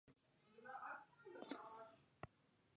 ځکه چې د هغوی غوښتنې زموږ له ګټو سره سر نه خوري.